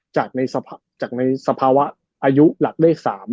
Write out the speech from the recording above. จากในสภาวะอายุหลักเลข๓